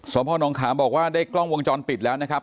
สวัสดีครับบอกว่าได้กล้องวงจรปิดแล้วนะครับ